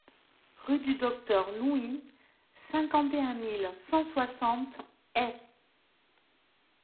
Rue du Docteur Louis, cinquante et un mille cent soixante Ay